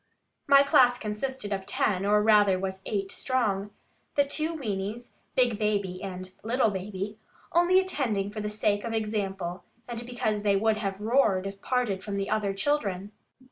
My class consisted of ten, or rather was eight strong, the two weames (big baby and little baby), only attending for the sake of example, and because they would have roared, if parted from the other children.